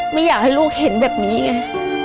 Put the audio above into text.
ไม่อยากให้ลูกเห็นแบบนี้ไง